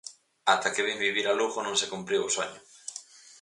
Ata que vin vivir a Lugo non se cumpriu o soño.